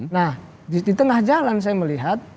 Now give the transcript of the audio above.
nah di tengah jalan saya melihat